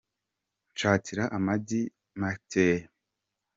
Nshakira amagi makeya